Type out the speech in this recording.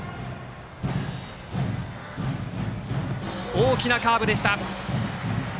大きなカーブでした。